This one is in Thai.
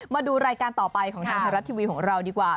มาดูรายการต่อไปของทางไทยรัฐทีวีของเราดีกว่า